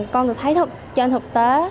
con được thấy trên thực tế